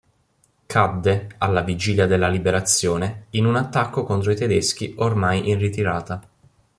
Cadde, alla vigilia della Liberazione, in un attacco contro i tedeschi ormai in ritirata.